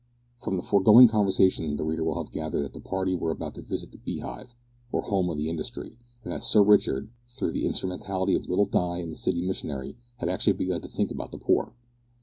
From the foregoing conversation the reader will have gathered that the party were about to visit the Beehive, or Home of Industry, and that Sir Richard, through the instrumentality of little Di and the city missionary, had actually begun to think about the poor!